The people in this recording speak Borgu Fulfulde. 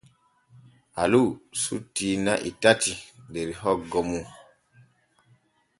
Alu sutti na'i tati der hoggo mum.